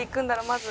まず」